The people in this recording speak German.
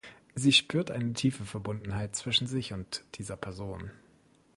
Sie spürt eine tiefe Verbundenheit zwischen sich und dieser Person.